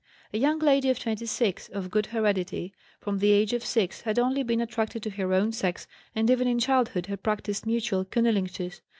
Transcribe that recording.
A young lady of 26, of good heredity, from the age of 6 had only been attracted to her own sex, and even in childhood had practised mutual cunnilinctus.